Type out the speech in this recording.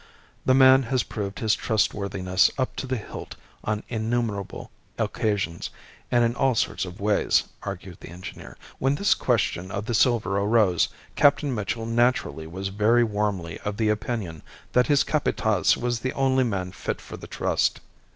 "The man has proved his trustworthiness up to the hilt on innumerable occasions and in all sorts of ways," argued the engineer. "When this question of the silver arose, Captain Mitchell naturally was very warmly of the opinion that his Capataz was the only man fit for the trust.